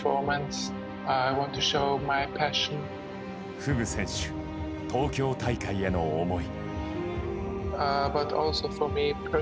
フグ選手、東京大会への思い。